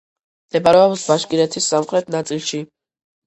მდებარეობს ბაშკირეთის სამხრეთ ნაწილში.